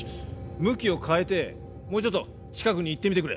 向きを変えてもうちょっと近くに行ってみてくれ。